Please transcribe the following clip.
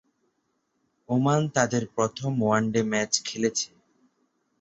Oman তাদের প্রথম one day match খেলেছে।